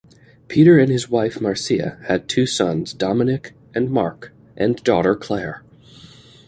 Petre and his wife Marcia had two sons Dominic and Mark and daughter Clare.